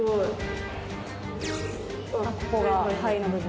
ここが肺の部分。